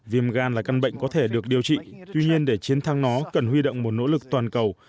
viêm gan là căn bệnh có thể được điều trị tuy nhiên để chiến thắng nó cần huy động một nỗ lực toàn cầu